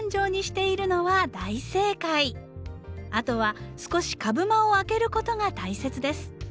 あとは少し株間を空けることが大切です。